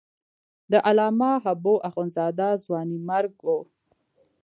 د علامه حبو اخند زاده ځوانیمرګ و.